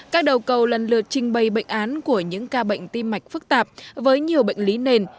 các đầu cầu lần lượt trình bày bệnh án của những ca bệnh tim mạch phức tạp với nhiều bệnh lý nền